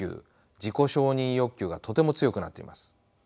・自己承認欲求がとても強くなっています。